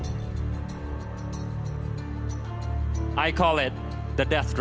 aku memanggilnya keterangan kematian